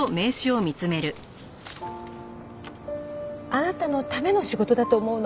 あなたのための仕事だと思うの。